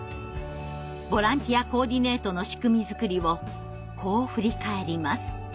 ボランティアコーディネートの仕組み作りをこう振り返ります。